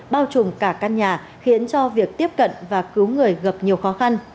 bao trùm cả căn nhà khiến cho việc tiếp cận và cứu người gặp nhiều khó khăn